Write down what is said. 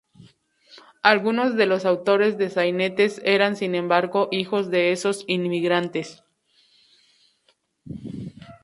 Algunos de los autores de sainetes eran sin embargo hijos de esos inmigrantes.